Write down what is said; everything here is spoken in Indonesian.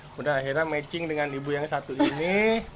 kemudian akhirnya matching dengan ibu yang satu ini